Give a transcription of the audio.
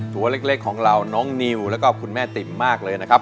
ตัวเล็กของเราน้องนิวแล้วก็คุณแม่ติ่มมากเลยนะครับ